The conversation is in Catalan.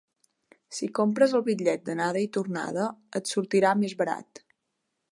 Si compres el bitllet d'anada i tornada, et sortirà més barat.